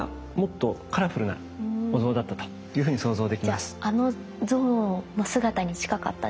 ですからじゃああの像の姿に近かったんですかね？